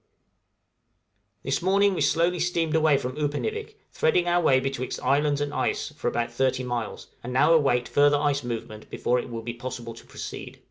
This morning we slowly steamed away from Upernivik, threading our way betwixt islands, and ice, for about 30 miles, and now await further ice movement before it will be possible to proceed.